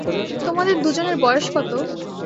তোমাদের দুজনের বয়স কত?